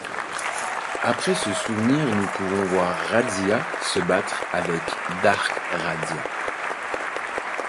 Après ce souvenir nous pouvons voir Razzia se battre avec Dark-Razzia.